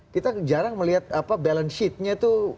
kita jarang melihat balance nya itu